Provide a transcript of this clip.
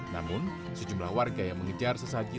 namun sejumlah warga yang mengejar sesaji